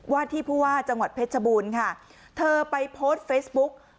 ว่าที่ผู้ว่าจังหวัดเพชรบูรณ์ค่ะเธอไปโพสต์เฟซบุ๊ก